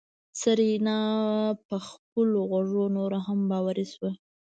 سېرېنا په خپلو غوږو نوره هم باوري شوه.